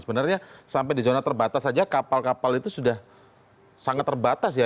sebenarnya sampai di zona terbatas saja kapal kapal itu sudah sangat terbatas ya